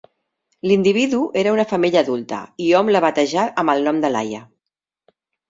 L'individu era una femella adulta i hom la batejà amb el nom de Laia.